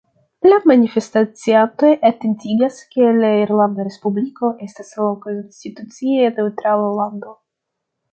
La manifestaciantoj atentigas, ke la Irlanda Respubliko estas laŭkonstitucie neŭtrala lando.